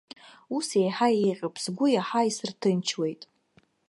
Ус еиҳа еиӷьуп, сгәы иаҳа исырҭынчуеит.